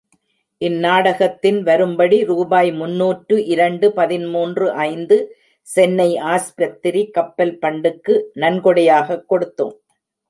இந்நாடகத்தின் வரும்படி ரூபாய் முன்னூற்று இரண்டு பதிமூன்று ஐந்து, சென்னை ஆஸ்பத்திரி கப்பல் பண்டுக்கு நன்கொடையாகக் கொடுத்தோம்.